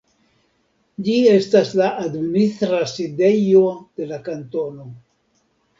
Ĝi estas la administra sidejo de la kantono.